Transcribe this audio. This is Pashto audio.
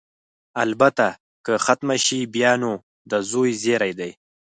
البته که ختمه شي، بیا نو د زوی زېری دی.